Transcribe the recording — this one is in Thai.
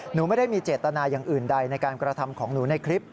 หนูไม่ได้มีเจตนาอย่างอื่นใดในการกระทำของหนูในคลิป